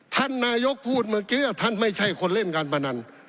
ท่านนายกพูดเมื่อกี้ท่านไม่ใช่คนเล่นการพนัน